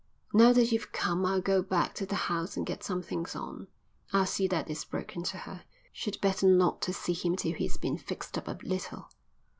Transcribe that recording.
"Now that you've come I'll go back to the house and get some things on. I'll see that it's broken to her. She'd better not see him till he's been fixed up a little."